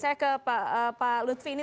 jadi kemudian ke pak lutfi ini